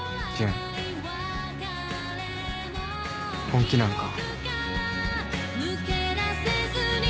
本気なんか？